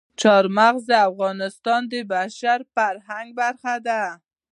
چار مغز د افغانستان د بشري فرهنګ برخه ده.